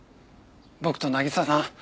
僕と渚さん